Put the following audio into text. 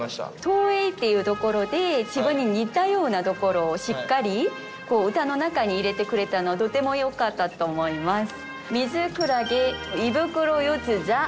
投影っていうところで自分に似たようなところをしっかり歌の中に入れてくれたのはとてもよかったと思います。